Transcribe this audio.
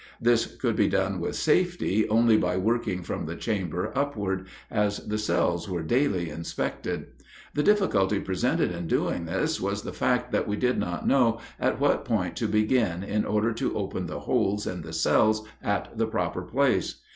This could be done with safety only by working from the chamber upward, as the cells were daily inspected. The difficulty presented in doing this was the fact that we did not know at what point to begin in order to open the holes in the cells at the proper place.